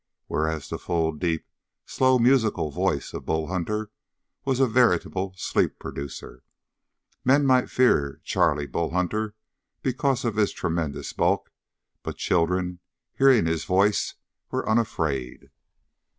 Whereas the full, deep, slow, musical voice of Bull Hunter was a veritable sleep producer. Men might fear Charlie Bull Hunter because of his tremendous bulk; but children, hearing his voice, were unafraid.